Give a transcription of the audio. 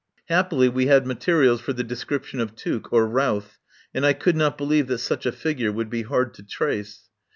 Happily we had materials for the de scription of Tuke or Routh, and I could not believe that such a figure would be hard to trace.